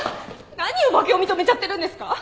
何を負けを認めちゃってるんですか！？